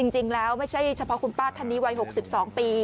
จริงแล้วไม่ใช่เฉพาะคุณป้าท่านนี้วัย๖๒ปี